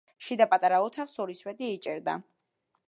შიდა პატარა ოთახს ორი სვეტი იჭერდა.